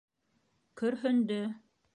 Көрһөндө.